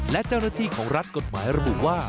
และเจ้าหน้าที่ของรัฐกฎหมายระบุว่า